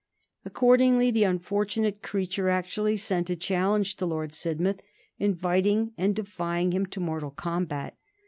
Accordingly, the unfortunate creature actually sent a challenge to Lord Sidmouth, inviting and defying him to mortal combat.